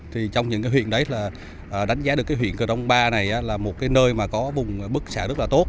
thì trong những cái huyện đấy là đánh giá được cái huyện crompa này là một cái nơi mà có vùng bức xã rất là tốt